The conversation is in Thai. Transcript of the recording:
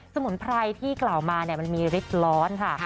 สมุนไพรที่กล่าวมามันมีฤทธิ์ร้อนค่ะ